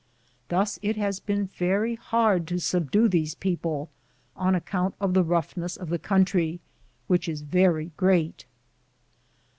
Thus it has been very hard to subdue these people, on account of the rough ness of the country, which is very great.